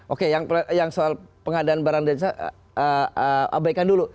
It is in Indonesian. oke yang soal pengadaan barang dan saya abaikan dulu